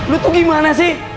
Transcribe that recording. lu tuh gimana sih